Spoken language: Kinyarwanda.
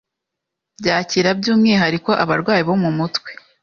byakira by’umwihariko abarwayi bo mu mutwe,